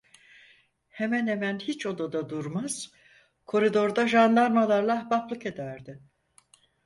Hemen hemen hiç odada durmaz, koridorda jandarmalarla ahbaplık ederdi.